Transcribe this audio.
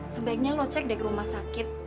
sebaiknya lo cek deh ke rumah sakit